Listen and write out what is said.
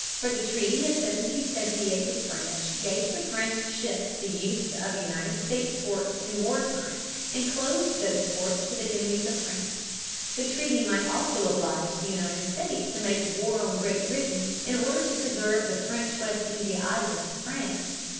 For the Treaty of 1778 with France (p. 115) gave to French ships the use of United States ports in war time, and closed those ports to the enemies of France. The treaty might also oblige the United States to make war on Great Britain in order to preserve the French West India Islands to France.